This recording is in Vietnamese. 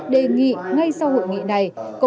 đề nghị ngay sau hội nghị này